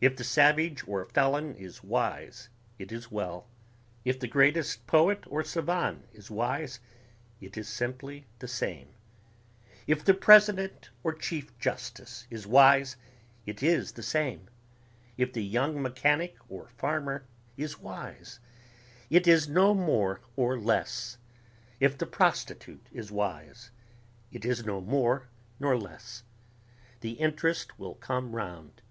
If the savage or felon is wise it is well ... if the greatest poet or savan is wise it is simply the same ... if the President or chief justice is wise it is the same ... if the young mechanic or farmer is wise it is no more or less ... if the prostitute is wise it is no more nor less. The interest will come round